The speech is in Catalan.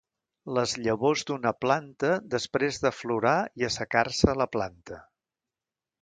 Les llavors d'una planta després d'aflorar i assecar-se a la planta.